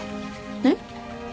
えっ？